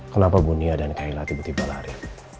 kenapa bunia dan kaila tiba tiba lari